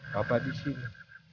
papa di sini